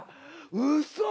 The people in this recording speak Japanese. うそ。